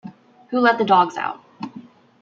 Who Let the Dogs Out?